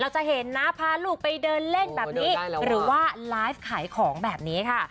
จะเห็นนะพาลูกไปเดินเล่นแบบนี้หรือว่าไลฟ์ขายของแบบนี้ค่ะ